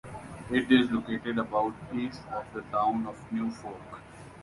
It is located about east of the town of New Norfolk.